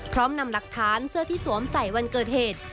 พร้อมนำหลักฐานเสื้อที่สวมใส่วันเกิดเหตุ